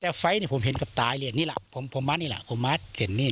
แต่ไฟล์เนี่ยผมเห็นกับตายเหรียญนี่แหละผมผมมานี่แหละผมมาเห็นนี่